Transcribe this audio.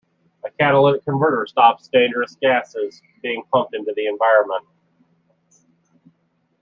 A catalytic converter stops dangerous gases being pumped into the atmosphere.